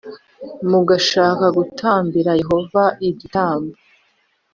mugashaka gutambira Yehova igitamb